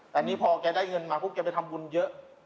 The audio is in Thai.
แต่นี่พอแกได้เงินมาปุ๊บแกไปทำบุญเยอะ